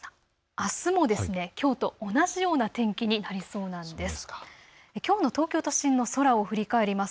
あすも、きょうと同じような天気になりそうです。